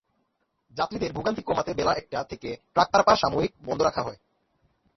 যাত্রীদের ভোগান্তি কমাতে বেলা একটা থেকে ট্রাক পারাপার সাময়িক বন্ধ রাখা হয়।